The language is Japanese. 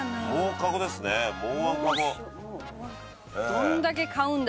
どんだけ買うんだ。